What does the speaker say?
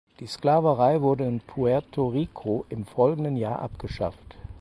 Die Sklaverei wurde in Puerto Rico im folgenden Jahr abgeschafft.